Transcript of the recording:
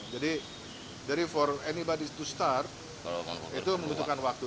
jadi for anybody to start itu membutuhkan waktu